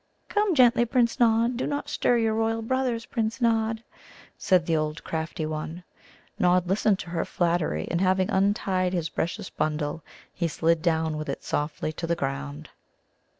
"Come gently, Prince Nod; do not stir your royal brothers, Prince Nod!" said the old crafty one. Nod listened to her flattery, and, having untied his precious bundle, he slid down with it softly to the ground.